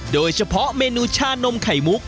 โดยเฉพาะเมนูชานมไข่มุก